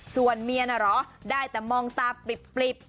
ส่วนเมียน่ะเหรอได้แต่มองตาปริบ